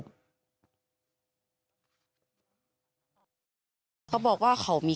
ก็เลยบอกว่าพอทำไมกลับคำขนาดนี้